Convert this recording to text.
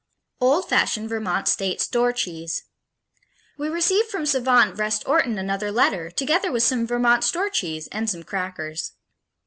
Old Fashioned Vermont State Store Cheese We received from savant Vrest Orton another letter, together with some Vermont store cheese and some crackers.